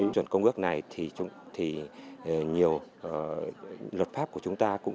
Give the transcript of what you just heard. với việc tham gia công ước này nhiều luật pháp của chúng ta cũng chưa có